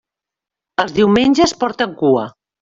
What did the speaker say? Els diumenges porten cua.